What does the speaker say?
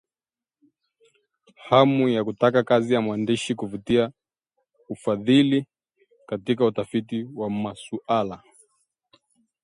Hamu ya kutaka kazi ya mwandishi kuvutia ufadhili katika utafiti wa masuala